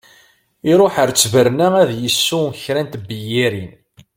Iṛuḥ ar ttberna ad d-isew kra n tebyirin.